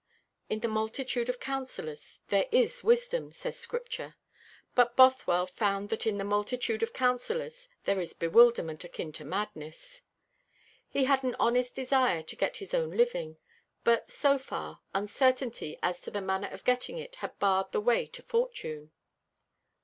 In the multitude of counsellors there is wisdom, says Scripture; but Bothwell found that in the multitude of counsellors there is bewilderment akin to madness. He had an honest desire to get his own living; but so far uncertainty as to the manner of getting it had barred the way to fortune.